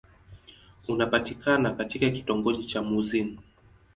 Unapatikana katika kitongoji cha Mouassine.